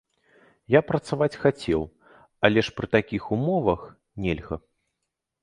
Я працаваць хацеў, але ж пры такіх умовах нельга.